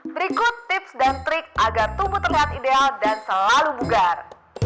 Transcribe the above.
berikut tips dan trik agar tubuh terlihat ideal dan selalu bugar